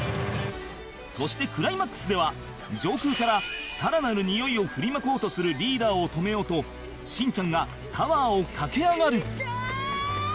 そしてクライマックスでは上空からさらなる匂いを振りまこうとするリーダーを止めようとしんちゃんがタワーを駆け上がる